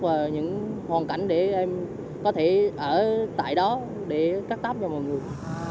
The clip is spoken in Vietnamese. và những hoàn cảnh để em có thể ở tại đó để cắt tóc cho mọi người